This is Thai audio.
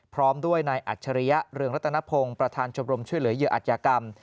พร้อมด้วยนายอัจฉริยะเรืองรัตนพงศ์ประธานชมรมช่วยเหลือเหยื่ออัธยากรรม